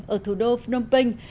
ở thủ đô phnom penh